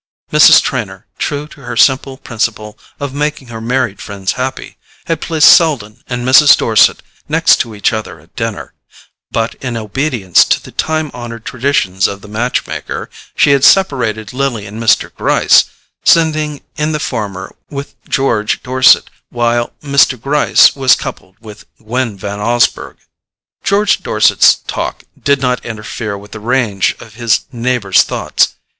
Mrs. Trenor, true to her simple principle of making her married friends happy, had placed Selden and Mrs. Dorset next to each other at dinner; but, in obedience to the time honoured traditions of the match maker, she had separated Lily and Mr. Gryce, sending in the former with George Dorset, while Mr. Gryce was coupled with Gwen Van Osburgh. George Dorset's talk did not interfere with the range of his neighbour's thoughts.